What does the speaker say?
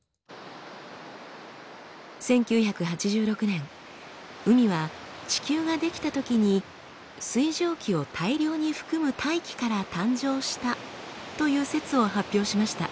１９８６年海は地球が出来たときに水蒸気を大量に含む大気から誕生したという説を発表しました。